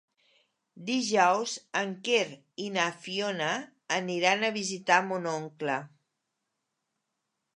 Dijous en Quer i na Fiona aniran a visitar mon oncle.